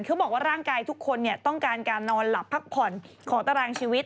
เขาบอกว่าร่างกายทุกคนต้องการการนอนหลับพักผ่อนขอตารางชีวิต